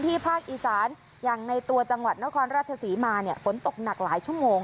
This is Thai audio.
ภาคอีสานอย่างในตัวจังหวัดนครราชศรีมาเนี่ยฝนตกหนักหลายชั่วโมง